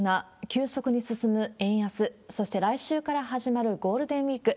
急速に進む円安、そして来週から始まるゴールデンウィーク。